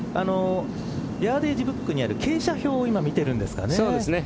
ヤーデージブックにある傾斜表を見ているんですかね。